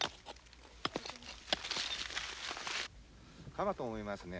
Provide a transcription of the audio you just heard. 窯と思いますね。